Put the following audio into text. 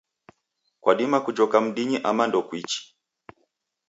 Kwadima kujoka mdinyi ama ndekuichi?